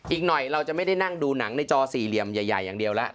อีกหน่อยเราจะไม่ได้นั่งดูหนังในจอสี่เหลี่ยมใหญ่อย่างเดียวแล้ว